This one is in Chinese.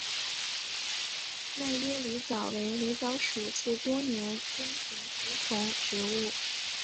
迈耶狸藻为狸藻属似多年中型食虫植物。